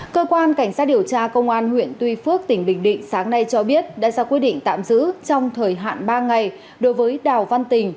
cơ quan cảnh sát điều tra công an huyện tuy phước tỉnh bình định sáng nay cho biết đã ra quyết định tạm giữ trong thời hạn ba ngày đối với đào văn tình